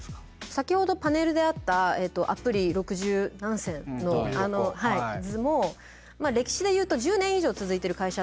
先ほどパネルであったアプリ六十何選のあの図も歴史で言うと１０年以上続いてる会社ってないわけですよ。